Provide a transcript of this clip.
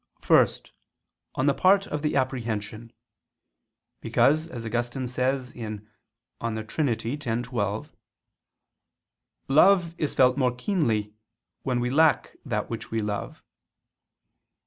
First, on the part of the apprehension. Because, as Augustine says (De Trin. x, 12), "love is felt more keenly, when we lack that which we love."